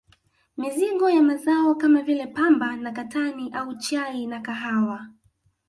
Mizigo ya Mazao kama vile Pamba na katani au chai na kahawa